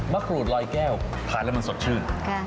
กรูดลอยแก้วทานแล้วมันสดชื่น